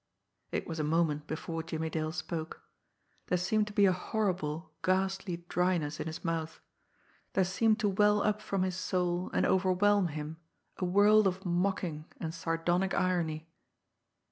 It was a moment before Jimmie Dale spoke. There seemed to be a horrible, ghastly dryness in his mouth; there seemed to well up from his soul and overwhelm him a world of mocking and sardonic irony.